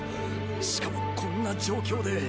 しかもこんな状況で。